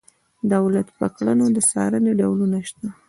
دولت په کړنو د څارنې ډولونه شته.